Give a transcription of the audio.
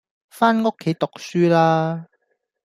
返屋企讀書啦